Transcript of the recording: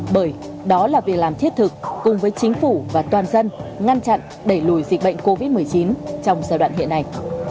bởi đó là việc làm thiết thực cùng với chính phủ và toàn dân ngăn chặn đẩy lùi dịch bệnh covid một mươi chín trong giai đoạn hiện nay